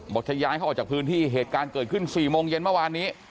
จะย้ายเขาออกจากพื้นที่เหตุการณ์เกิดขึ้น๔โมงเย็นเมื่อวานนี้